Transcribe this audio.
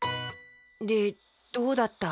でどうだった？